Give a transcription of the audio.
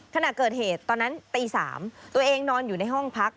ขณะเกิดเหตุตอนนั้นตี๓ตัวเองนอนอยู่ในห้องพัก